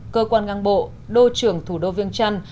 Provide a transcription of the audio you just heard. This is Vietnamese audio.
cơ quan ngang bộ đô trưởng thủ đô viêng trăn